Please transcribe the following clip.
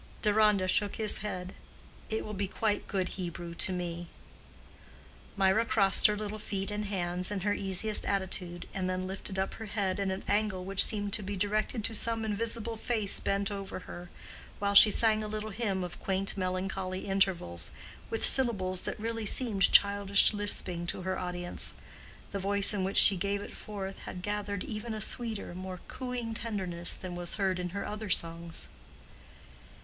Deronda shook his head. "It will be quite good Hebrew to me." Mirah crossed her little feet and hands in her easiest attitude, and then lifted up her head at an angle which seemed to be directed to some invisible face bent over her, while she sang a little hymn of quaint melancholy intervals, with syllables that really seemed childish lisping to her audience; the voice in which she gave it forth had gathered even a sweeter, more cooing tenderness than was heard in her other songs.